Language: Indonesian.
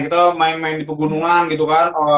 kita main main di pegunungan gitu kan